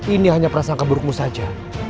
ini hanya perasaan keburukmu saja